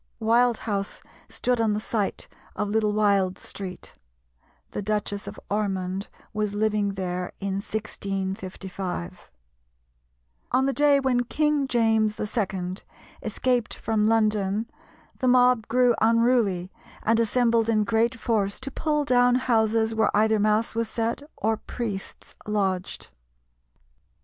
Wild House stood on the site of Little Wild Street. The Duchess of Ormond was living there in 1655. On the day when King James II. escaped from London the mob grew unruly, and assembled in great force to pull down houses where either mass was said or priests lodged.